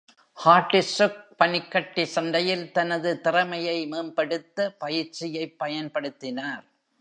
ஹார்டிச்சுக் பனிக்கட்டி சண்டையில் தனது திறமையை மேம்படுத்த பயிற்சியைப் பயன்படுத்தினார்.